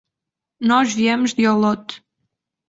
Nós viemos de Olot.